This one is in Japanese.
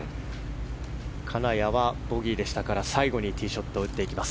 金谷はボギーでしたから最後にティーショットを打ちます。